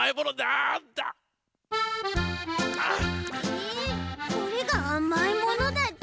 えこれがあまいものだち？